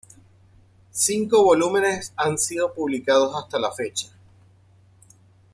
Cinco volúmenes han sido publicados hasta la fecha.